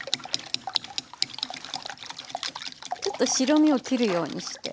ちょっと白身を切るようにして。